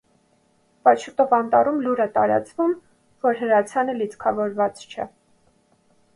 Բայց շուտով անտառում լուր է տարածվում, որ հրացանը լիցքավորված չէ։